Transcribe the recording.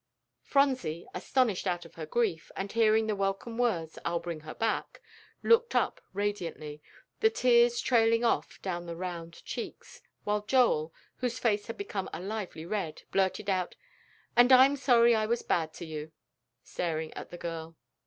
Phronsie, astonished out of her grief, and hearing the welcome words, "I'll bring her back," looked up radiantly, the tears trailing off down the round cheeks, while Joel, whose face had become a lively red, blurted out, "And I'm sorry I was bad to you," staring at the girl.